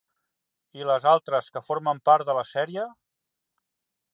I les altres que formen part de la sèrie?